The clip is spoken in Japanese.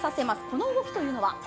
この動きというのは？